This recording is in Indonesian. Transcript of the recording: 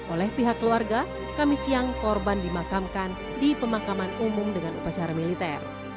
oleh pihak keluarga kami siang korban dimakamkan di pemakaman umum dengan upacara militer